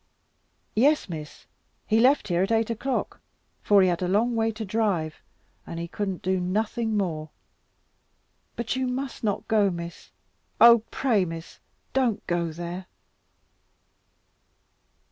"Yes, Miss, he left here at eight o'clock, for he had a long way to drive, and he couldn't do nothing more. But you must not go, Miss, oh pray, Miss, don't go there!"